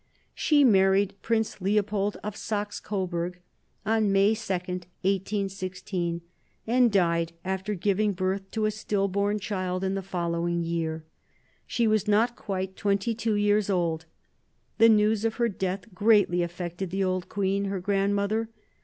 She married Prince Leopold of Saxe Coburg on May 2, 1816, and died after giving birth to a still born child in the following year. She was not quite twenty two years old. The news of her death greatly affected the old queen, her grandmother.